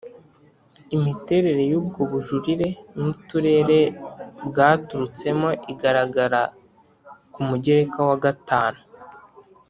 Imiterere y ubwo bujurire n uturere bwaturutsemo igaragara ku mugereka wa gatanu